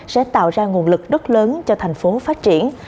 sẽ tạo ra nguồn lực rất lớn cho thành phố phát triển